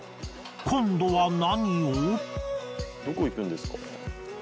今度は何を？